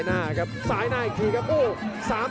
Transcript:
พยาบกระแทกมัดเย็บซ้าย